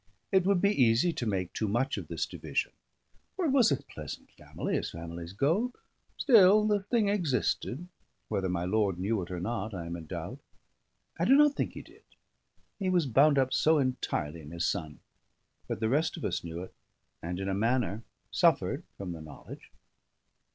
It would be easy to make too much of this division, for it was a pleasant family, as families go; still the thing existed; whether my lord knew it or not, I am in doubt. I do not think he did; he was bound up so entirely in his son; but the rest of us knew it, and in a manner suffered from the knowledge.